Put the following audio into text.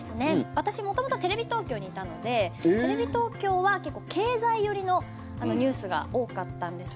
私、元々テレビ東京にいたのでテレビ東京は結構、経済寄りのニュースが多かったんですけど。